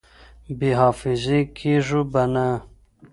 بې حافظې کېږو به نه!